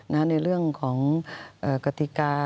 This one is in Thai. ในเรื่องของกติกา